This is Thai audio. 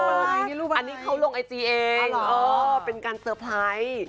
อันนี้เขาลงไอจีเองเป็นการเตอร์ไพรส์